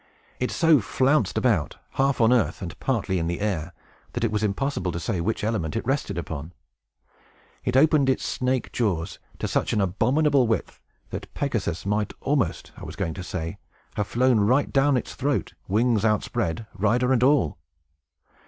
It so flounced about, half on earth and partly in the air, that it was impossible to say which element it rested upon. It opened its snake jaws to such an abominable width, that Pegasus might almost, I was going to say, have flown right down its throat, wings outspread, rider and all!